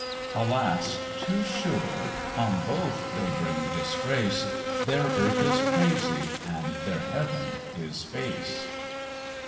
Alas! too sure on both they bring disgrace, Their earth is crazy, and their heaven is base.